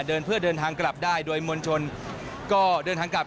เดินทางเพื่อเดินทางกลับได้โดยมวลชนก็เดินทางกลับ